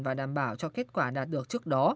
và đảm bảo cho kết quả đạt được trước đó